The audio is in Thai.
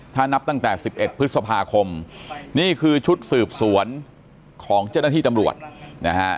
ถ้านับตั้งแต่๑๑พฤษภาคมนี่คือชุดสืบสวนของเจ้าหน้าที่ตำรวจนะฮะ